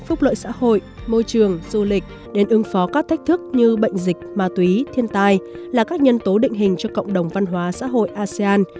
phúc lợi xã hội môi trường du lịch đến ứng phó các thách thức như bệnh dịch ma túy thiên tai là các nhân tố định hình cho cộng đồng văn hóa xã hội asean